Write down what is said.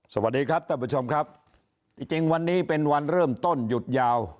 สวัสดีครับท่านผู้ชมครับที่จริงวันนี้เป็นวันเริ่มต้นหยุดยาว